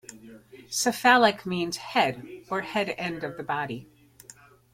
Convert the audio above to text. Cephalic means "head" or "head end of the body.